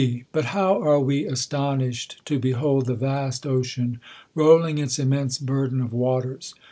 But how are we astonished to behold the vast ocean, rolling its immense burden of waters